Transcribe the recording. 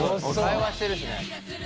会話してるしね。